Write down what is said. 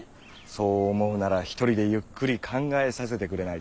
そう思うならひとりでゆっくり考えさせてくれないかな？